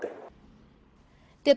tiếp tục đấu truyền